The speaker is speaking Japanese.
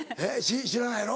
知らないやろ？